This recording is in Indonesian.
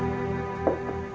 mak sarapan dulu yuk